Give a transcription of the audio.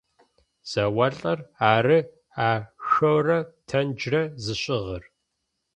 Зэолӏыр ары ашъорэ танджрэ зыщыгъыр.